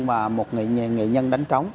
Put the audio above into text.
và một nghệ nhân đánh trống